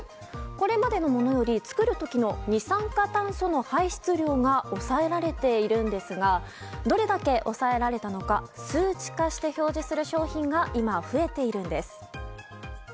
これまでのものより作る時の二酸化炭素の排出量が抑えられているんですがどれだけ抑えられたのか数値化して表示する商品が今、増えているんです。